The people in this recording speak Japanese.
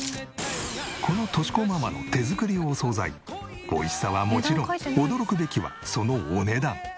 この敏子ママの手作りお惣菜美味しさはもちろん驚くべきはそのお値段。